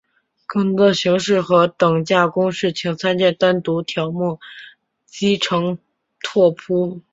更多的形式和等价公式请参见单独条目乘积拓扑。